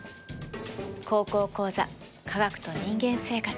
「高校講座科学と人間生活」。